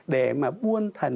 để mà buôn thần thánh